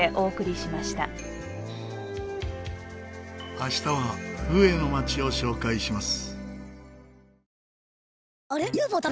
明日はフエの街を紹介します。